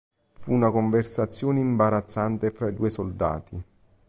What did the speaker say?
Fu una conversazione imbarazzante fra i due soldati.